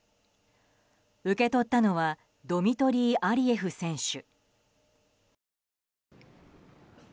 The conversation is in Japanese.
受け取ったのはドミトリー・アリエフ選手。